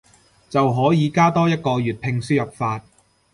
就可以加多一個粵拼輸入法